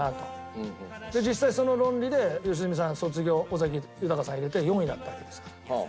実際その論理で良純さん『卒業』尾崎豊さんを入れて４位だったわけですから。